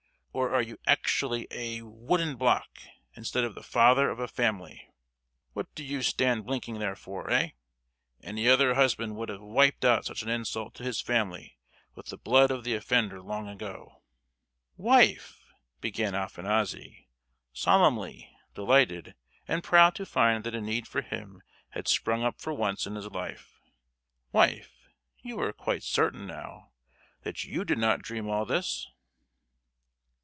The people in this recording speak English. Or are you actually a—a wooden block, instead of the father of a family? What do you stand blinking there for? eh! Any other husband would have wiped out such an insult to his family with the blood of the offender long ago." "Wife!" began Afanassy, solemnly, delighted, and proud to find that a need for him had sprung up for once in his life. "Wife, are you quite certain, now, that you did not dream all this?